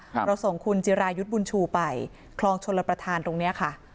เราส่งคุณจิรายุทธ์บุญชูไปคลองชลประธานตรงเนี้ยค่ะ